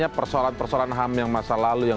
jadi terima kasih bisa mengucapkan